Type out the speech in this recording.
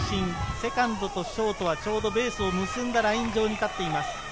セカンドとショートはちょうどベースを結んだライン上に立っています。